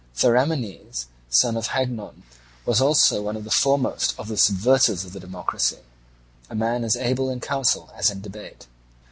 Theramenes, son of Hagnon, was also one of the foremost of the subverters of the democracy—a man as able in council as in debate.